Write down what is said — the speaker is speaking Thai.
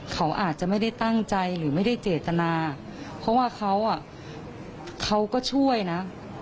เขาอาจจะไม่ได้ตั้งใจหรือไม่ได้เจตนาเพราะว่าเขาอ่ะเขาก็ช่วยนะ